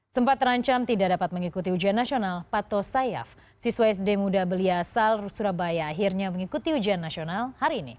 sempat terancam tidak dapat mengikuti ujian nasional pato sayaf siswa sd muda belia asal surabaya akhirnya mengikuti ujian nasional hari ini